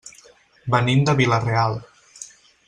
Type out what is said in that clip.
Venim de Vila-real.